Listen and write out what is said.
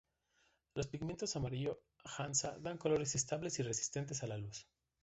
Los pigmentos amarillo Hansa dan colores estables y resistentes a la luz.